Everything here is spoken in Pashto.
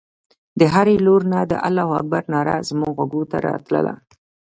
د هرې لور نه د الله اکبر ناره زموږ غوږو ته راتلله.